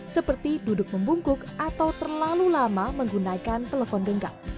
seperti duduk membungkuk atau terlalu lama menggunakan telepon genggam